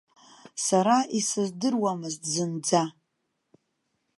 Сара исыздыруамызт зынӡа.